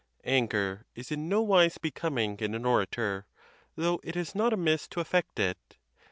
Anger is in no wise becoming in an orator, though it is not amiss to affect it.